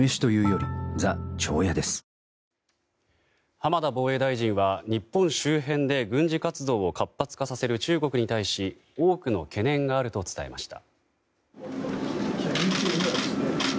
浜田防衛大臣は日本周辺で軍事活動を活発化させる中国に対し多くの懸念があると伝えました。